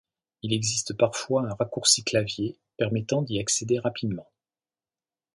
Il existe parfois un raccourci clavier permettant d'y accéder rapidement.